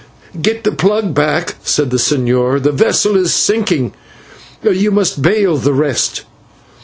"Get the plug back," said the señor, "the vessel is sinking, you must bale the rest."